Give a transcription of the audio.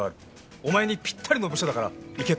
お前にピッタリの部署だから行けと。